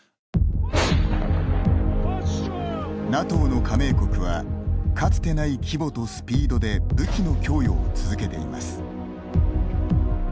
ＮＡＴＯの加盟国はかつてない規模とスピードで武器の供与を続けています。